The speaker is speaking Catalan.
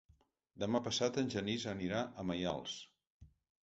Demà passat en Genís anirà a Maials.